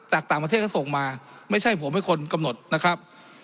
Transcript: ต่างประเทศก็ส่งมาไม่ใช่ผมเป็นคนกำหนดนะครับ